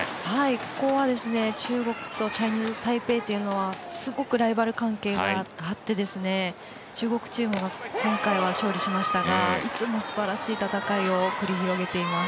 ここは中国とチャイニーズ・タイペイというのは、すごくライバル関係があって中国チームが今回は勝利しましたがいつもすばらしい戦いを繰り広げています。